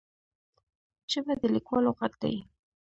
ژبه د لیکوالو غږ دی